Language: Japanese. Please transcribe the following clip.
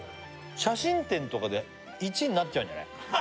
写真展とかで１位になっちゃうんじゃない？